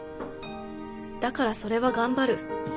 だからそれは頑張る。